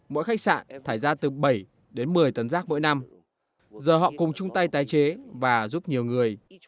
mỗi khách sạn thải ra từ bảy đến một mươi tấn rác mỗi năm giờ họ cùng chung tay tái chế và giúp nhiều người